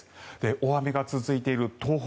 大雨が続いている東北